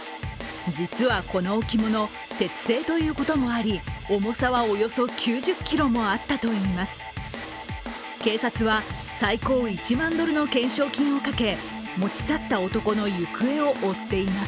実はこの置物鉄製ということもあり重さはおよそ９０ｋｇもあったといいます。